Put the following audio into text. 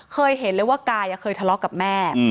เคยเห็นเลยว่ากายเคยทะเลาะกับแม่